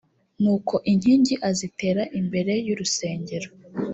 nuko inkingi azitera imbere y urusengero